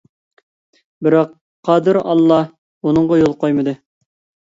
بىراق قادىر ئاللا، بۇنىڭغا يول قويمىدى.